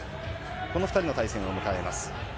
この２人の対戦を迎えます。